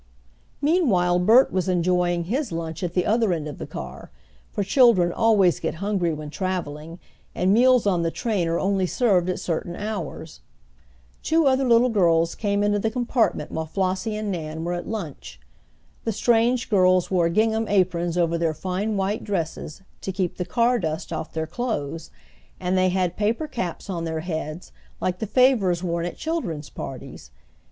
Meanwhile Bert was enjoying his lunch at the other end of the car, for children always get hungry when traveling, and meals on the train are only served at certain hours. Two other little girls came into the compartment while Flossie and Nan were at lunch. The strange girls wore gingham aprons over their fine white dresses, to keep the car dust off their clothes, and they had paper caps on their heads like the favors worn at children's parties.